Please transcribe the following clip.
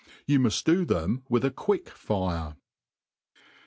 Y(m muft do them with a quick fire.